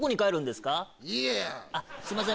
すいません